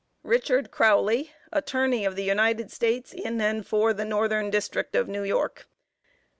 RICHARD CROWLEY, Attorney of the United States, in and for the Northern District of New York.